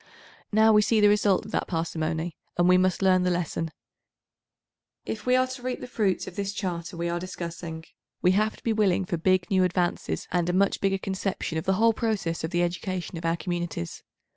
Now we see the result of that parsimony, and we must learn the lesson. If we are to reap the fruits of this Charter we are discussing we have to be willing for big new advances and a much bigger conception of the 862 whole process of the education of our communities.